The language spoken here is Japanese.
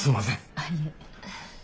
ああいえ。